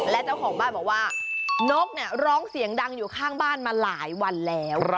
และเจ้าของบ้านบอกว่านกเนี่ยร้องเสียงดังอยู่ข้างบ้านมาหลายวันแล้ว